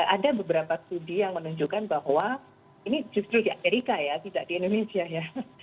ada beberapa studi yang menunjukkan bahwa ini justru di amerika ya tidak di indonesia ya